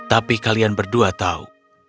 tapi kalian berdua tahu